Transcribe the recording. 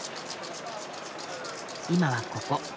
今はここ。